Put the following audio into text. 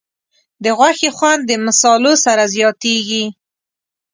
د غوښې خوند د مصالحو سره زیاتېږي.